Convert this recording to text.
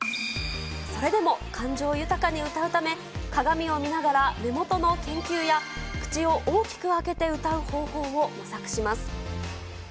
それでも感情豊かに歌うため、鏡を見ながら目元の研究や、口を大きく開けて歌う方法を模索します。